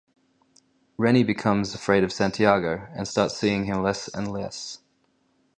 Reny becomes afraid of Santiago and starts seeing him less and less.